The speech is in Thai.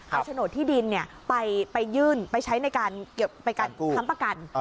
เอาโฉนดที่ดินไปยื่นไปใช้ในการค้ำประกัน